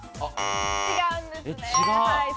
違うんですね。